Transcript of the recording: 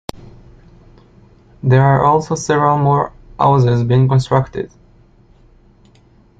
There are also several more houses being constructed.